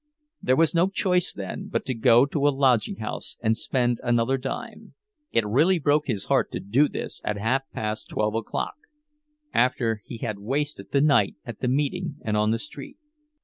There was no choice then but to go to a lodging house and spend another dime. It really broke his heart to do this, at half past twelve o'clock, after he had wasted the night at the meeting and on the street.